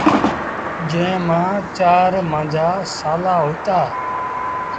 جݩهݩ مآݩ چآر مآݩجآ سآلآ هوئيٚتآ۔